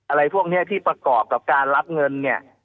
อะไรพวกนี้ที่ประกอบกับการรับเงินเนี่ย